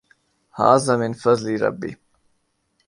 ھذا من فضْل ربی۔